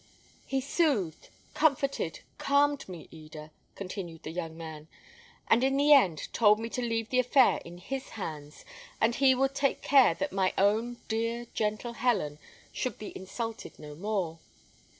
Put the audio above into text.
"He soothed, comforted, calmed me, Eda," continued the young man: "and in the end, told me to leave the affair in his hands, and he would take care that my own dear, gentle Helen should be insulted no more.